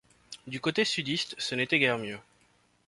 Du côté sudiste, ce n'était guère mieux.